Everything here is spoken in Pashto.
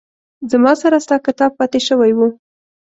زما سره ستا کتاب پاتې شوي وه